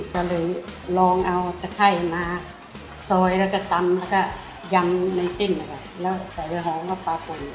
ก็เลยลองเอาตะไข้มาซอยแล้วก็ตำแล้วก็ยำในสิ้นอ่ะค่ะแล้วแต่หอมก็ปับปน